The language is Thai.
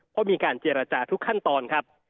เพราะมีการเจรจาทุกขั้นตอนครับ